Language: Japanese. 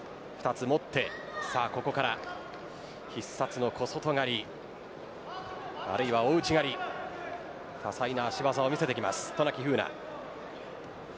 ２つ持ってここから必殺の小内刈あるいは大内刈多彩な足技を見せていきます。